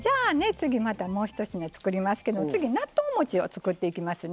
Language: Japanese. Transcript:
次またもうひと品作りますけど次納豆もちを作っていきますね。